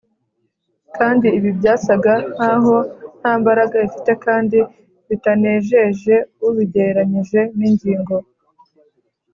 kandi ibi byasaga nk’aho nta mbaraga bifite kandi bitanejeje ubigereranyije n’ingingo